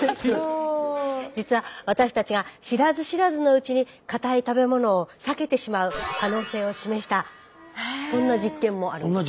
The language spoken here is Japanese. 実は私たちが知らず知らずのうちにかたい食べ物を避けてしまう可能性を示したそんな実験もあるんです。